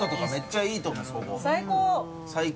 最高。